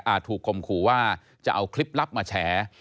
อ่าถูกกลมขู่ว่าจะเอาคลิปลับมาแชร์